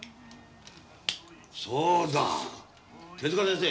そうだ手先生。